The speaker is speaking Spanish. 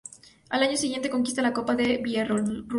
Al año siguiente conquista la Copa de Bielorrusia.